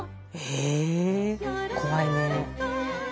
え怖いね。